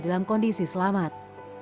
dalam kondisi selamat